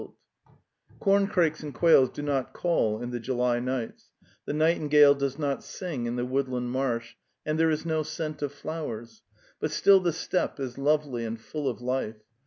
BLO The Tales of Chekhov Corncrakes and quails do not call in the July nights, the nightingale does not sing in the wood land marsh, and there is no scent of flowers, but still the steppe is lovely and full of life.